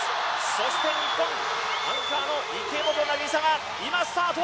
そして日本アンカーの池本凪沙が今、スタート！